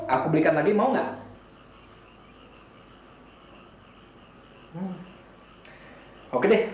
aku belikan lagi mau nggak